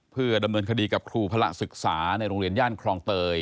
เพื่อดำเนินคดีกับครูพระศึกษาในโรงเรียนย่านคลองเตย